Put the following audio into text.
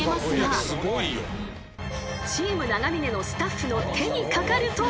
［チーム長峯のスタッフの手にかかると］